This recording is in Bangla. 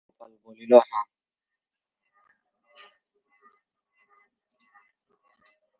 গোপাল বলিল, হ্যাঁ।